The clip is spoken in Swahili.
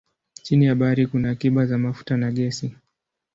Chini ya bahari kuna akiba za mafuta na gesi.